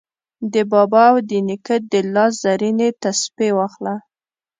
د بابا او د نیکه د لاس زرینې تسپې واخله